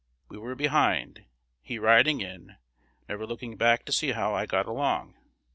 We were behind, he riding in, never looking back to see how I got along.